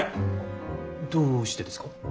どうしてですか？